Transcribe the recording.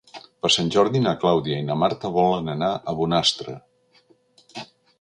Per Sant Jordi na Clàudia i na Marta volen anar a Bonastre.